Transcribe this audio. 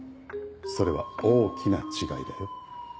それは大きな違いだよ。